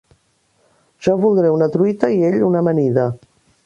Jo voldré una truita i ell una amanida.